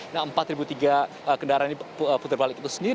nah empat tiga ratus kendaraan diputar balik